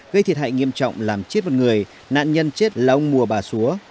gây thiệt hại nghiêm trọng làm chết một người nạn nhân chết lâu mùa bà xúa